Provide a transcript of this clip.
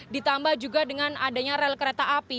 ditambah juga dengan adanya rel kereta api